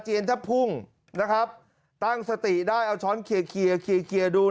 อเจียนทัพพุงนะครับตั้งสติได้เอาช้อนเครียเครียดู